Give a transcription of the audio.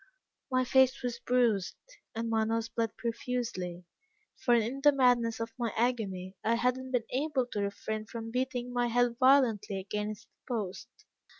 My face was bruised, and my nose bled profusely, for in the madness of my agony, I had not been able to refrain from beating my head violently against the post.